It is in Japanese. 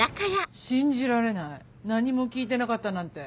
信じられない何も聞いてなかったなんて。